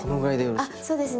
あっそうですね。